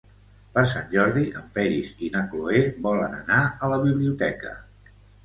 Per Sant Jordi en Peris i na Cloè volen anar a la biblioteca.